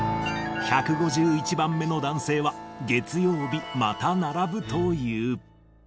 １５１番目の男性は、月曜日、また並ぶという。